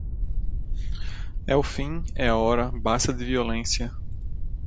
É o fim, é a hora, basta de violência